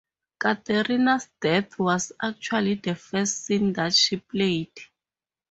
Katarina's death was actually the first scene that she played.